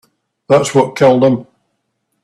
That's what killed him.